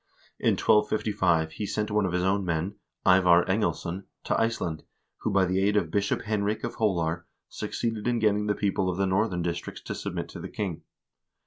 In 1255 he sent one of his own men, Ivar Englesson, to Ice land, who, by the aid of Bishop Henrik of Holar, succeeded in getting the people of the northern districts to submit to the king.